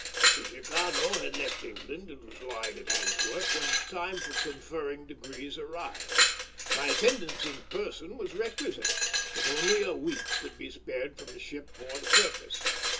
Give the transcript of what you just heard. The Chicago had left England and was lying at Antwerp when the time for conferring degrees arrived. My attendance in person was requisite, but only a week could be spared from the ship for the purpose.